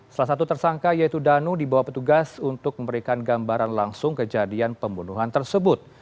salah satu tersangka yaitu danu dibawa petugas untuk memberikan gambaran langsung kejadian pembunuhan tersebut